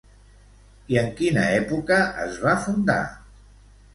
I en quina època es va fundar?